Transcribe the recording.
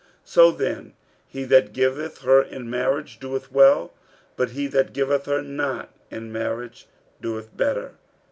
46:007:038 So then he that giveth her in marriage doeth well; but he that giveth her not in marriage doeth better.